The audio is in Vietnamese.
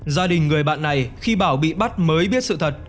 gia đình người bạn này khi bảo bị bắt mới biết sự thật